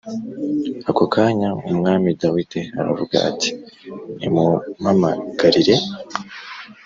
Ako kanya Umwami Dawidi aravuga ati nimumpamagarire